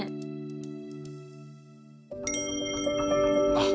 あっ！